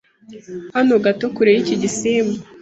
Hano gato kure y'iki gisimba